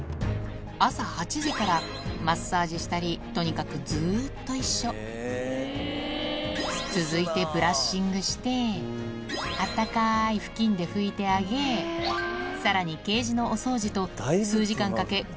朝８時からマッサージしたりとにかくずっと一緒続いてブラッシングして温かい布巾で拭いてあげさらにケージのお掃除と数時間かけ